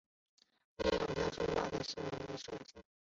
另有说法他是景文王庶子。